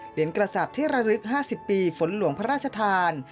กระสาปที่ระลึก๕๐ปีฝนหลวงพระราชทาน